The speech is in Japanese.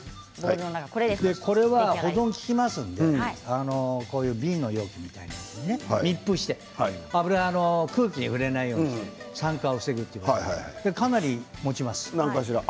保存が利きますので瓶の容器みたいなのに入れて密封して油が空気に触れないようにして酸化を防ぐということでかなりもちます。